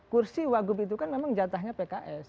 kursi wagub itu kan memang jatahnya pks